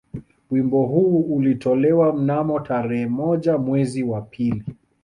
Wimbo huu ulitolewa mnamo tarehe moja mwezi wa pili